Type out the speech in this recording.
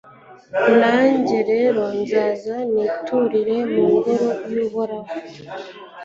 Nanjye rero nzaza niturire mu Ngoro y’Uhoraho